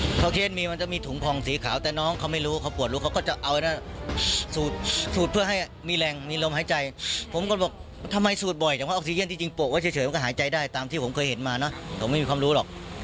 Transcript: เพราะเค้นมีมันจะมีถุงผ่องสีขาวแต่น้องเขาไม่รู้เขาปวดรู้เขาก็จะเอาสูดเพื่อให้มีแรงมีลมหายใจผมก็บอกทำไมสูดบ่อยแต่ว่าออกซีเย็นที่จริงโปะไว้เฉยมันก็หายใจได้ตามที่ผมเคยเห็นมาเนอะผมไม่มีความรู้หรอก